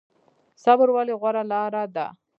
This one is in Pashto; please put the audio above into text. صبر ولې غوره لاره ده؟